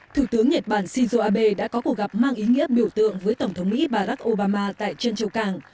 thủ tướng nhật bản shinzo abe đã có cuộc gặp mang ý nghĩa biểu tượng với tổng thống mỹ barack obama tại trân châu càng